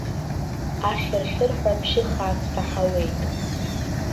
Ахьырхьырҳәа бжьы хаак саҳауеит.